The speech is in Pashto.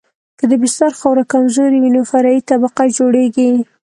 که د بستر خاوره کمزورې وي نو فرعي طبقه جوړیږي